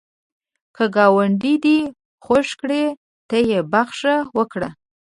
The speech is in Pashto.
که ګاونډی دی خوږ کړي، ته یې بخښه وکړه